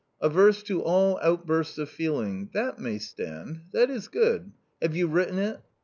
* Averse to all outbursts of feeling ' —that may stand : that is good. Have you written it